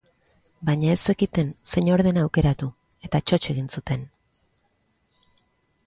Baina ez zekiten zein ordena aukeratu, eta txotx egin zuten.